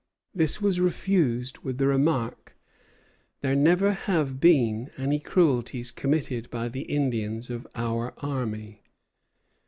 This was refused, with the remark: "There never have been any cruelties committed by the Indians of our army."